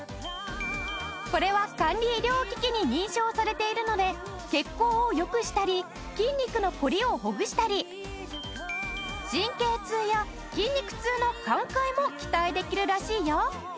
これは管理医療機器に認証されているので血行を良くしたり筋肉の凝りをほぐしたり神経痛や筋肉痛の緩解も期待できるらしいよ。